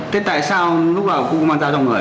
thế tại sao lúc nào cũng không mang dao trong người à